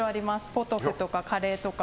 ポトフとかカレーとか。